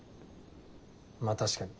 まあ確かに。